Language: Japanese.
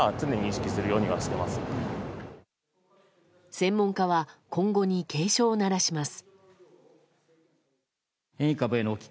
専門家は今後に警鐘を鳴らします。